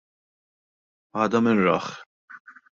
Għada min rah?!